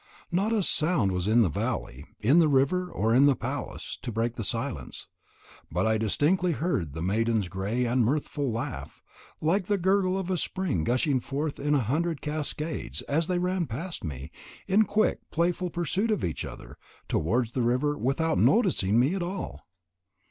Not a sound was in the valley, in the river, or in the palace, to break the silence, but I distinctly heard the maidens' gay and mirthful laugh, like the gurgle of a spring gushing forth in a hundred cascades, as they ran past me, in quick playful pursuit of each other, towards the river, without noticing me at all.